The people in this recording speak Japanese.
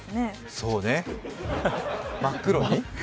そうね、真っ黒に？